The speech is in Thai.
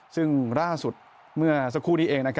ซึ่งล่าสุดเมื่อสักครู่นี้เอง